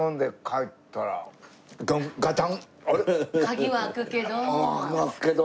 鍵は開くけど。